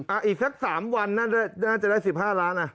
อ่ะอีกซะ๓วันนั่นน่าจะได้๑๕ล้านอ่ะ